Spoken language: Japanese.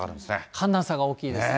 寒暖差が大きいですね。